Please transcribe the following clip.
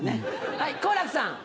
はい好楽さん。